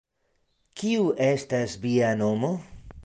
Kiu estas via nomo?